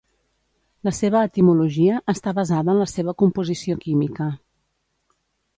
La seva etimologia està basada en la seva composició química.